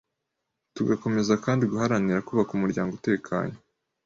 Tugakomeza kandi guharanira kubaka umuryango utekanye